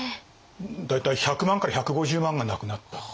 大体１００万から１５０万が亡くなった。